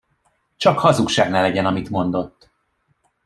Csak hazugság ne legyen, amit mondott!